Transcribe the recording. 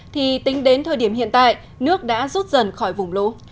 thì tính đến thời điểm hiện tại nước đã rút dần khỏi vùng lũ